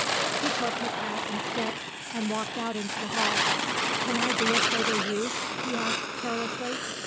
He took his hat and stick, and walked out into the hall. "Can I be of further use?" he asked carelessly.